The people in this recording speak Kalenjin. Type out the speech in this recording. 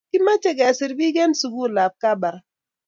Kimache kesir pik en sukul ab kabarak